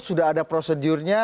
sudah ada prosedurnya